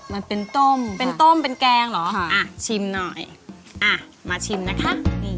มันเป็นต้มเป็นต้มเป็นแกงเหรออ่ะชิมหน่อยอ่ะมาชิมนะคะนี่